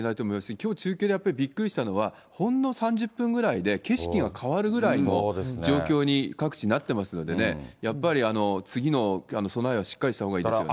きょう、中継でやっぱりびっくりしたのは、ほんの３０分ぐらいで景色が変わるぐらいの状況に、各地なってますのでね、やっぱり次の備えはしっかりしたほうがいいですよね。